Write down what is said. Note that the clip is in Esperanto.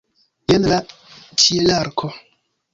Jen la ĉielarko!